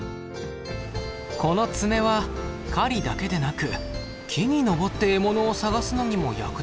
この爪は狩りだけでなく木に登って獲物を探すのにも役立つんだ。